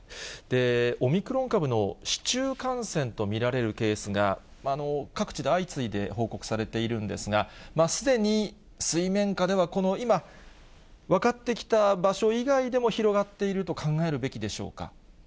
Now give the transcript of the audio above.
オミクロン株の市中感染と見られるケースが、各地で相次いで報告されているんですが、すでに水面下ではこの今、分かって来た場所以外でも広がっていると考えるべきでしょうか。